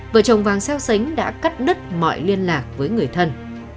vợ chồng vàng xeo xánh đã cắt đứt mọi liên lạc với người thân